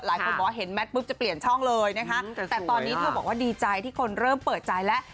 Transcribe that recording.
หลายคนบอกว่าเห็นแมทปุ๊บจะเปลี่ยนช่องเลยนะคะแต่ตอนนี้เธอบอกว่าดีใจที่คนเริ่มเปิดใจแล้ว